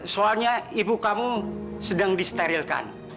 soalnya ibu kamu sedang disterilkan